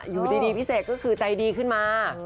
อยู่ดีพี่เสกก็คือใจดีขึ้นมา